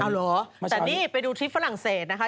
เอาเหรอแต่นี่ไปดูทริปฝรั่งเศสนะคะ